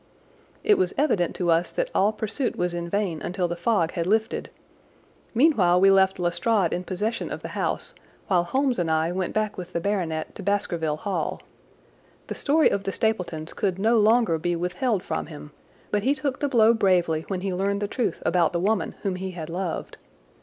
It was evident to us that all pursuit was in vain until the fog had lifted. Meanwhile we left Lestrade in possession of the house while Holmes and I went back with the baronet to Baskerville Hall. The story of the Stapletons could no longer be withheld from him, but he took the blow bravely when he learned the truth about the woman whom he had loved.